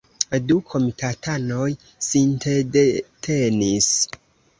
Du komitatanoj sintedetenis.